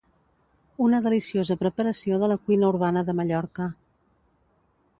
Una deliciosa preparació de la cuina urbana de Mallorca